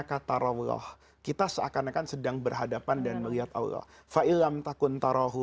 kita seakan akan sedang berhadapan dan melihat allah